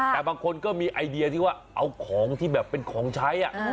แต่บางคนก็มีไอเดียที่ว่าเอาของที่แบบเป็นของใช้